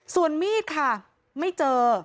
ส่วนมีดค่ะไม่เจอ